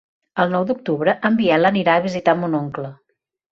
El nou d'octubre en Biel anirà a visitar mon oncle.